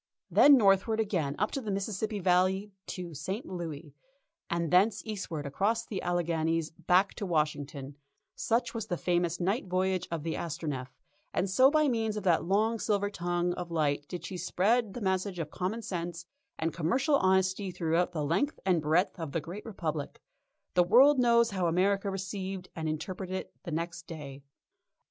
Then northward again up the Mississippi Valley to St. Louis, and thence eastward across the Alleghanies back to Washington such was the famous night voyage of the Astronef, and so by means of that long silver tongue of light did she spread the message of common sense and commercial honesty throughout the length and breadth of the Great Republic. The world knows how America received and interpreted it the next day.